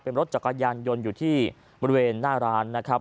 เป็นรถจักรยานยนต์อยู่ที่บริเวณหน้าร้านนะครับ